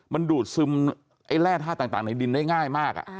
มันดูดซึมแร่ท่าต่างในดินได้ง่ายมาก